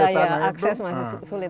apa daya akses masih sulit